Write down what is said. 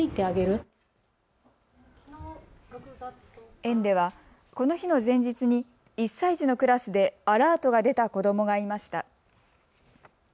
園ではこの日の前日に１歳児のクラスでアラートが出た子どもがいました。